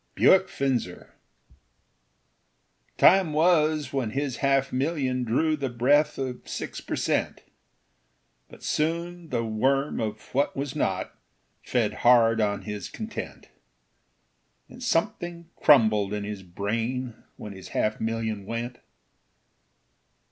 Bewick Finzer Time was when his half million drew The breath of six per cent; But soon the worm of what was not Fed hard on his content; And something crumbled in his brain When his half million went.